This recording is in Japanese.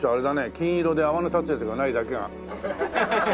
金色で泡の立つやつがないだけが。